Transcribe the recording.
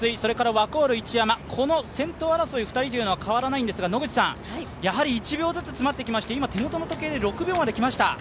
ワコールの一山、この先頭争い２人というのは変わらないんですが、やはり１秒ずつ詰まってきまして６秒まできました。